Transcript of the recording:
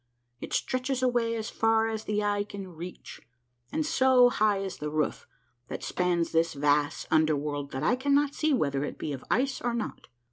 It stretches away as far as the eye can reach, and so high is the roof that spans this vast under world that I cannot see whether it be of ice or not.